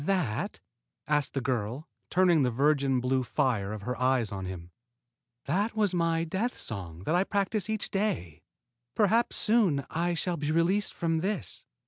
"That?" asked the girl, turning the virgin blue fire of her eyes on him. "That was my death song that I practice each day. Perhaps soon I shall be released from this."